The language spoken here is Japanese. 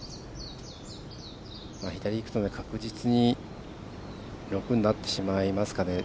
左いくと確実に６になってしまいますかね。